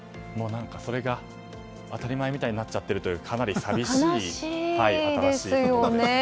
それが当たり前みたいになっちゃってるというかなり寂しい新しい言葉です。